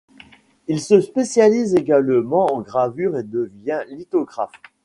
Il se spécialise également en gravure et devient lithographe.